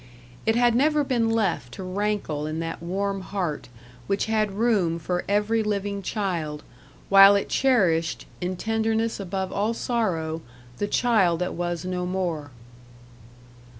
It had never been left to rankle in that warm heart, which had room for every living child, while it cherished, in tenderness above all sorrow, the child that was no more.